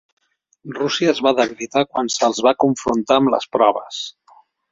Rússia es va debilitar quan se'ls va confrontar amb les proves.